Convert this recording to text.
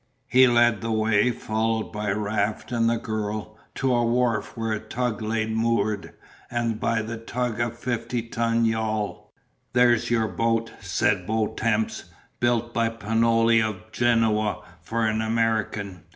He led the way followed by Raft and the girl to a wharf where a tug lay moored and by the tug a fifty ton yawl. "There's your boat," said Bontemps, "built by Pinoli of Genoa for an American.